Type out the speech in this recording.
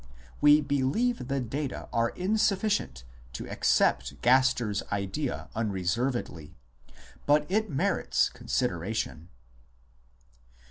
We believe the data are insufficient to accept Gaster s idea unreservedly, but it merits con sideration.